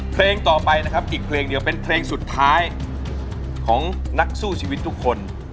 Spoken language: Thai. เพลงต่อไปนะครับอีกเพลงเดียวเป็นเพลงสุดท้ายของนักสู้ชีวิตทุกคน